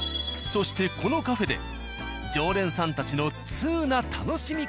そしてこのカフェで常連さんたちのツウな楽しみ方が。